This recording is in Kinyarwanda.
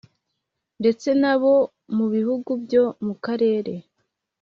ndetse n’abo mu bihugu byo mu karere